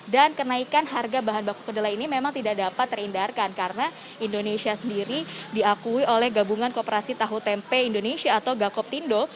dan kenaikan harga bahan baku kedelai ini memang tidak dapat terindarkan karena indonesia sendiri diakui oleh gabungan kooperasi tahu tempe indonesia atau gakob tindo